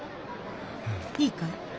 いいかい？